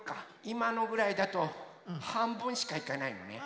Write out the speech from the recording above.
いまのぐらいだとはんぶんしかいかないのね。